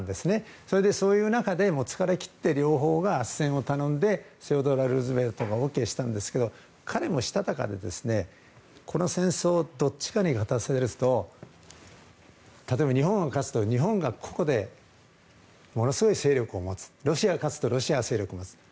それでそういう中で、疲れ切って両方があっせんを頼んでルーズベルトがＯＫしたんですけど彼もしたたかでこの戦争をどちらかに勝たせると例えば、日本が勝つと日本がここでものすごい勢力を持つロシアが勝つとロシアが勢力を持つ。